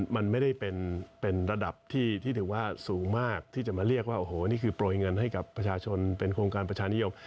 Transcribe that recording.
มันไม่ได้เป็นระดับที่ถือว่าสูงมากที่จะมาเรียกว่าโอ้โหนี่คือโปรยเงินให้กับประชาชนเป็นโครงการประชานิยม